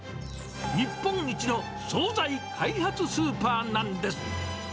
日本一の総菜開発スーパーなんです。